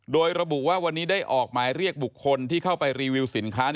โดยระบุว่าวันนี้ได้ออกหมายเรียกบุคคลที่เข้าไปรีวิวสินค้า